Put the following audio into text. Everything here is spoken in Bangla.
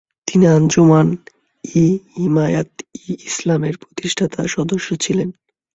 তিনি আঞ্জুমান-ই-হিমায়াত-ই-ইসলামের প্রতিষ্ঠাতা সদস্যও ছিলেন।